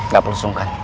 ga perlu sesungkan